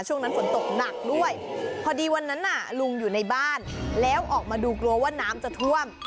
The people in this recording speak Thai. ช่วงนั้นฝนตกหนักด้วยพอดีวันนั้นน่ะลุงอยู่ในบ้านแล้วออกมาดูกลัวว่าน้ำจะท่วม